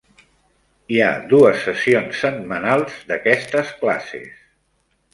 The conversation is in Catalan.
Hi ha dues sessions setmanals d'aquestes classes.